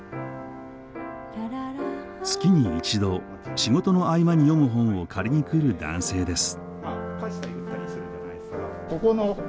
月に一度仕事の合間に読む本を借りに来る男性です。